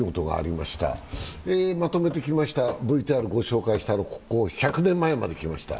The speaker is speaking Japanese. まとめてきました、ＶＴＲ御紹介してきました、１００年前まできました。